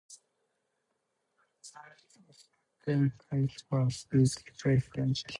Sebastien Caisse was its president.